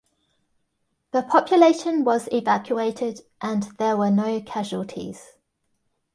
The population was evacuated, and there were no casualties.